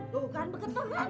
duh kan beketul